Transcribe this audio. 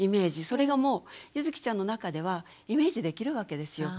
それがもうゆづきちゃんの中ではイメージできるわけですよ。